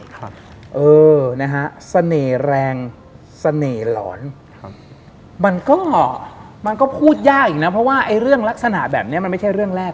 สนำแหน่งสนำหรรณมันก็พูดยากอีกนะเพราะว่าเรื่องลักษณะแบบนี้มันไม่ใช่เรื่องแรก